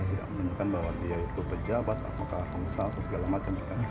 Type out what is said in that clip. tidak menunjukkan bahwa dia itu pejabat apakah pengusaha atau segala macam